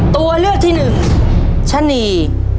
ตัวเลือกที่หนึ่งชะนี